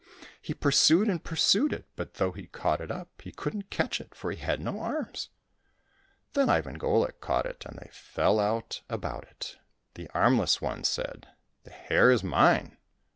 He pursued and pursued it, but though he caught it up, he couldn't catch it, for he had no arms. Then Ivan Golik caught it and they fell out about it. The armless one said, " The hare is mine